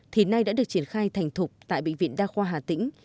thì nay đã được triển khai thành thục tại bệnh viện đa khoa hà tĩnh